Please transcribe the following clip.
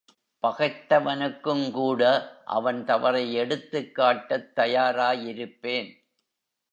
பகைத்தவனுக்குங்கூட அவன் தவறை எடுத்துக்காட்டத் தயாராயிருப்பேன்.